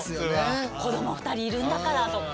子ども２人いるんだからとか。